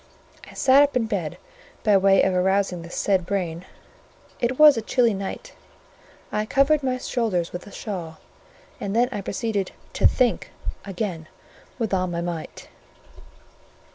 I sat up in bed by way of arousing this said brain: it was a chilly night; I covered my shoulders with a shawl, and then I proceeded to think again with all my might.